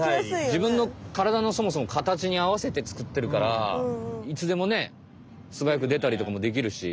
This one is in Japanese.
じぶんの体のそもそもかたちにあわせてつくってるからいつでもねすばやくでたりとかもできるし。